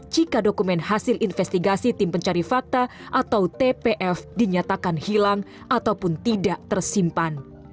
jika dokumen hasil investigasi tim pencari fakta atau tpf dinyatakan hilang ataupun tidak tersimpan